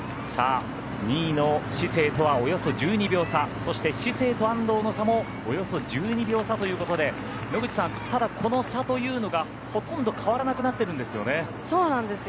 ２位のシセイとはおよそ１２秒差そしてシセイと安藤の差もおよそ１２秒差ということで野口さんただ、この差というのがほとんど変わらなくなっているんですよね。